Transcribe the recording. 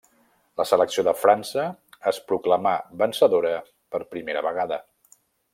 La selecció de França es proclamà vencedora per primera vegada.